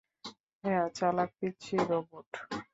হ্যাঁ, চালাক পিচ্চি রোবট।